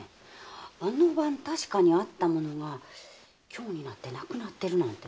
あの晩確かにあったものが今日になってなくなってるなんてねえ。